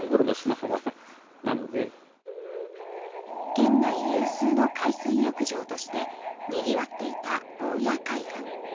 県内有数の海水浴場としてにぎわっていた大谷海岸。